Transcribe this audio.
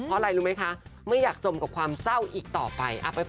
เพราะอะไรรู้ไหมคะไม่อยากจมกับความเศร้าอีกต่อไป